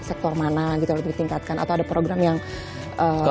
sektor mana gitu ditingkatkan atau ada program yang bisa ditingkatkan